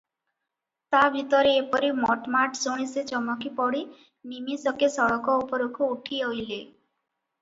ତା ଭିତରେ ଏପରି ମଟ୍ ମାଟ୍ ଶୁଣି ସେ ଚମକିପଡ଼ି ନିମିଷକେ ସଡ଼କ ଉପରକୁ ଉଠି ଅଇଲେ ।